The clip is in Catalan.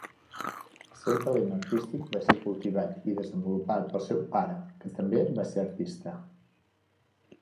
Els seu talent artístic va ser cultivat i desenvolupat pel seu pare, que també va ser artista.